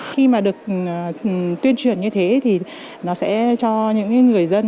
khi mà được tuyên truyền như thế thì nó sẽ cho những người dân